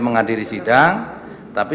menghadiri sidang tapi